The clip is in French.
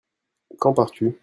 Quand pars-tu ?